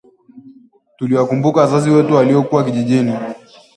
Tuliwakumbuka wazazi wetu waliokuwa kijijini